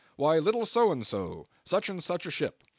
Why! little So and so. Such and such a ship.